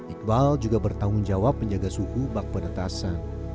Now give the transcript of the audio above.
iqbal juga bertanggung jawab menjaga suhu bak penetasan